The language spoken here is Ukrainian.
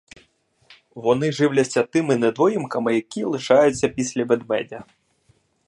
Вони живляться тими недоїдками, які лишаються після ведмедя.